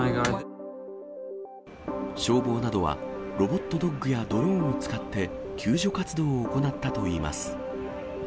消防などは、ロボットドッグやドローンを使って、救助活動を行ったといいます。